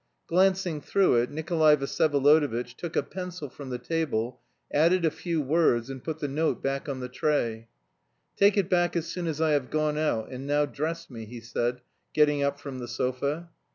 Glancing through it, Nikolay Vsyevolodovitch took a pencil from the table, added a few words, and put the note back on the tray. "Take it back as soon as I have gone out, and now dress me," he said, getting up from the sofa.